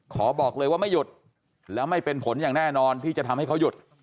ขอบอกเลยว่าไม่หยุดแล้วไม่เป็นผลอย่างแน่นอนที่จะทำให้เขาหยุด